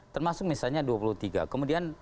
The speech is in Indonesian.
termasuk misalnya dua puluh tiga kemudian